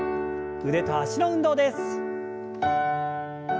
腕と脚の運動です。